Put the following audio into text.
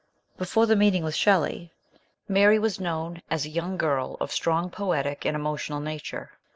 Before the meeting with Shelley, Mary was known 32 MRS. SHELLEY. as a young girl of strong poetic and emotional nature.